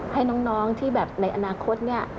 ให้น้องที่แบบในอนาคตเนี่ย